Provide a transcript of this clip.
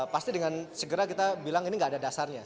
pasti dengan segera kita bilang ini gak ada dasarnya